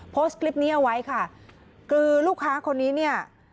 โพสต์คลิปนี้เอาไว้ค่ะคือลูกค้าคนนี้เนี่ย